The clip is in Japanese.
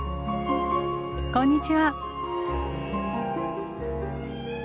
こんにちは。